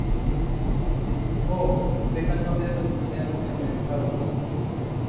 ¡ Oh, estoy tan contento que usted no sea un dinosaurio!